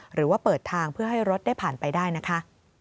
หรือว่าเปิดทางเพื่อให้รถได้ผ่านไปได้นะคะ